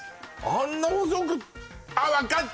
あんな細くてあ分かった！